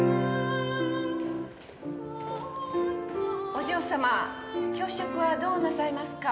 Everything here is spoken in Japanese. お嬢様朝食はどうなさいますか？